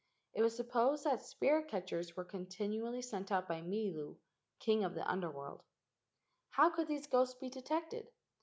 It was sup¬ posed that "spirit catchers" were continually sent out by Milu, king of the Under world. How could these ghosts be detected?